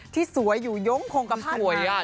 ที่สวยอยู่ย้งโครงกำภัณฑ์มาก